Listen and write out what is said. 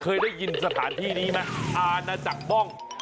เคยได้ยินสถานที่นี้ไหมอาณาจักรบ้อง